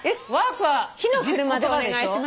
火の車でお願いします。